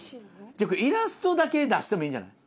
イラストだけ出してもいいんじゃない？